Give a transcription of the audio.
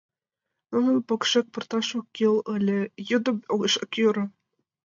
Нуным покшек пурташ ок кӱл ыле... йӱдым огешак йӧрӧ...